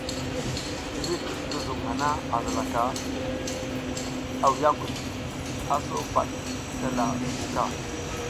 Slimid ngi zuŋ hana a zilaka awiyakuy, a so bad ti slala mbuka.